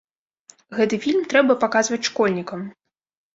Гэты фільм трэба паказваць школьнікам.